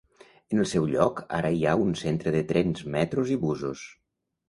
En el seu lloc ara hi ha un centre de trens, metros i busos.